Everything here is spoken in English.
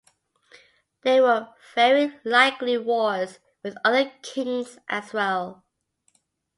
There were very likely wars with other kings as well.